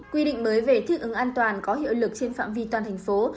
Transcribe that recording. quy định mới về thích ứng an toàn có hiệu lực trên phạm vi toàn thành phố